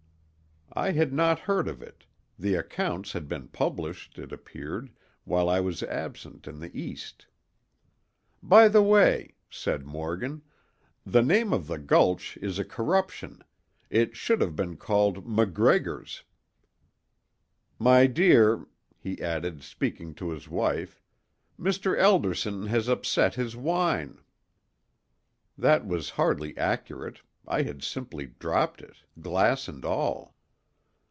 I had not heard of it; the accounts had been published, it appeared, while I was absent in the East. "By the way," said Morgan, "the name of the gulch is a corruption; it should have been called 'MacGregor's.' My dear," he added, speaking to his wife, "Mr. Elderson has upset his wine." That was hardly accurate—I had simply dropped it, glass and all.